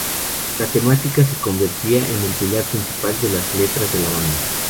La temática se convertiría en el pilar principal de las letras de la banda.